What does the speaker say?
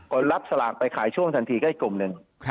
ก็รับสลากไปขายช่วงทันทีก็อีกกลุ่มหนึ่ง